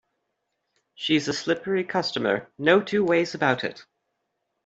She's a slippery customer, no two ways about it.